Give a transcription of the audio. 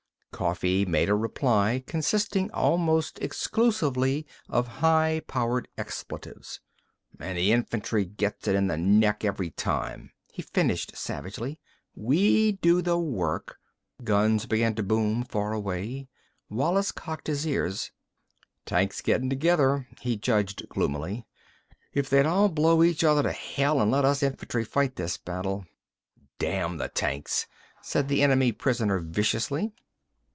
Coffee made a reply consisting almost exclusively of high powered expletives. "—and the infantry gets it in the neck every time," he finished savagely. "We do the work—" Guns began to boom, far away. Wallis cocked his ears. "Tanks gettin' together," he judged, gloomily. "If they'd all blow each other to hell an' let us infantry fight this battle—" "Damn the tanks!" said the enemy prisoner viciously.